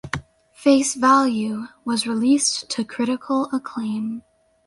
"Face Value" was released to critical acclaim.